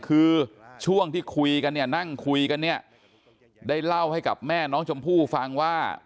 คือช่วงที่คุยกันเนี่ยนั่งคุยกันเนี่ยได้เล่าให้กับแม่น้องชมพู่ฟังว่า